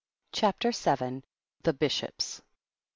14 CHAPTER VIL THE BISHOPS.